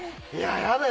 やだよ！